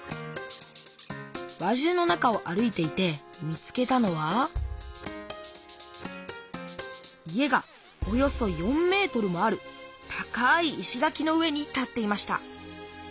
輪中の中を歩いていて見つけたのは家がおよそ４ｍもある高い石がきの上に建っていました。